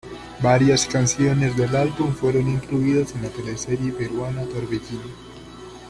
Varias canciones del álbum fueron incluidas en la teleserie peruana Torbellino.